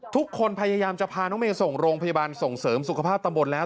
พยายามจะพาน้องเมย์ส่งโรงพยาบาลส่งเสริมสุขภาพตำบลแล้ว